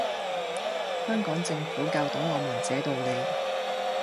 香港政府教懂我們這道理